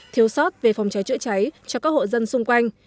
thiếu sót về phòng cháy chữa cháy cho các hộ dân xung quanh